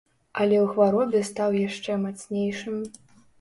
Але ў хваробе стаў яшчэ мацнейшым.